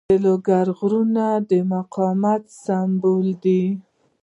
د لوګر غرونه د مقاومت سمبول دي.